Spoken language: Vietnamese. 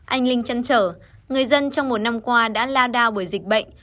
anh linh chân trở người dân trong một năm qua đã lao đao bởi dịch bệnh